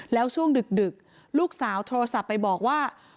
แล้วช่วงดึกลูกสาวโทรศัพท์ไปบอกว่า